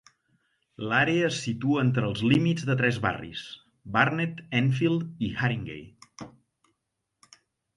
L'àrea es situa entre els límits de tres barris: Barnet, Enfield i Haringey.